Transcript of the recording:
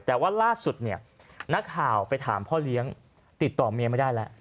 แต่ว่าล่าสุดเนี่ยนักข่าวไปถามพ่อเลี้ยงติดต่อเมียไม่ได้แล้ว